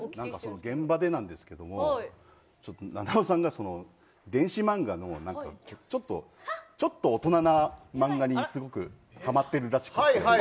現場でなんですけど菜々緒さんが電子漫画のちょっと大人な漫画にすごくはまってるらしく。